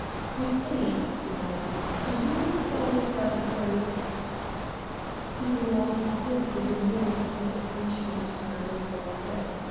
"You see," he laughed. "Do you require further proof?" Even while he spoke the diminutive little Frenchman turned and bolted.